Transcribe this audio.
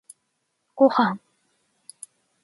ごはん